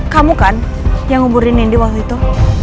kamu kan yang nguburin nindi waktu itu